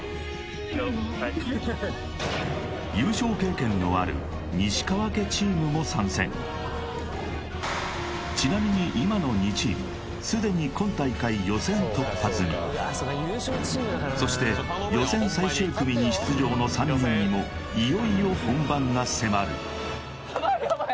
一応はい優勝経験のある西川家チームも参戦ちなみに今の２チームすでに今大会予選突破済みそして予選最終組に出場の３人にもが迫るヤバいヤバい！